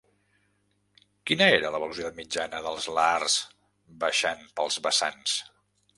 Quina era la velocitat mitjana dels lahars baixant pels vessants?